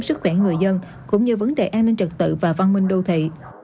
sức khỏe người dân cũng như vấn đề an ninh trật tự và văn minh đô thị